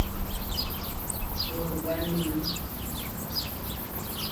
Orowanimu.